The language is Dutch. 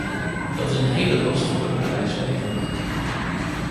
Dat is een hele last voor het bedrijfsleven.